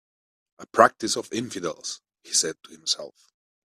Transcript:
"A practice of infidels," he said to himself.